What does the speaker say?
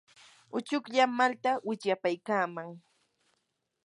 uchuklla malta wichyapaykaaman.